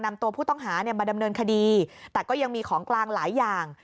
นำตัวผู้ต้องหาเนี่ยมาดำเนินคดีแต่ก็ยังมีของกลางหลายอย่าง